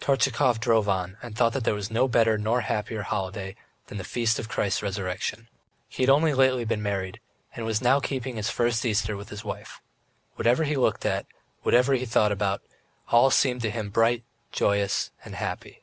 Tortchakov drove on and thought that there was no better nor happier holiday than the Feast of Christ's Resurrection. He had only lately been married, and was now keeping his first Easter with his wife. Whatever he looked at, whatever he thought about, it all seemed to him bright, joyous, and happy.